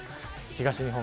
東日本